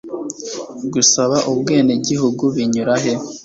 Gusaba ubwenegihugu binyura he?